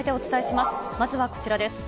まずはこちらです。